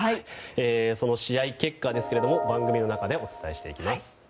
その試合結果ですが番組の中でお伝えしていきます。